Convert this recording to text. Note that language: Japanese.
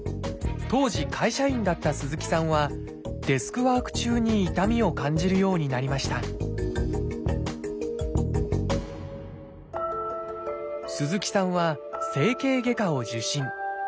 当時会社員だった鈴木さんはデスクワーク中に痛みを感じるようになりました鈴木さんは整形外科を受診。